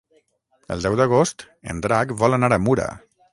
El deu d'agost en Drac vol anar a Mura.